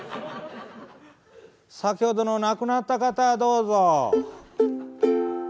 先ほどのなくなった方どうぞ」。